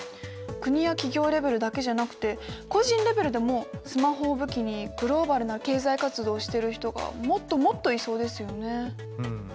国や企業レベルだけじゃなくて個人レベルでもスマホを武器にグローバルな経済活動をしてる人がもっともっといそうですよね。